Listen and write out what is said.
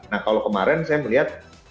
nah kalau kemarin saya melihat